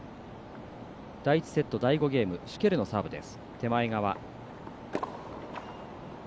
第１セット第５ゲームシュケルのサーブです。